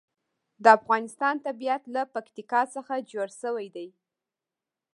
د افغانستان طبیعت له پکتیکا څخه جوړ شوی دی.